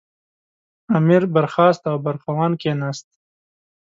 امیر برخاست او برخوان کېناست.